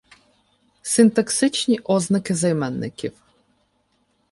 Синтаксичні ознаки займенників